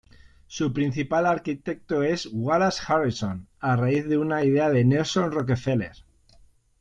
Su principal arquitecto es Wallace Harrison a raíz de una idea de Nelson Rockefeller.